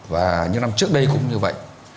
và những năm trước đây cũng như vậy